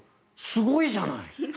すごいじゃない。